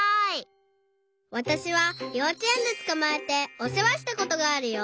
わたしはようちえんでつかまえておせわしたことがあるよ！